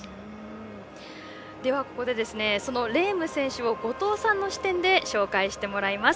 ここで、レーム選手を後藤さんの視点で紹介してもらいます。